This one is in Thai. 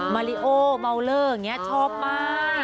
มาริโอเมาเลอร์อย่างนี้ชอบมาก